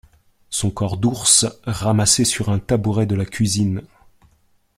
son corps d’ours ramassé sur un tabouret de la cuisine